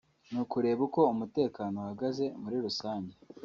ni ukureba uko umutekano uhagaze muri rusange